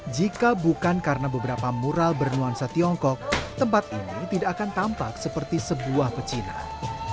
jika bukan karena beberapa mural bernuansa tiongkok tempat ini tidak akan tampak seperti sebuah pecinan